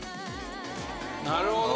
なるほど！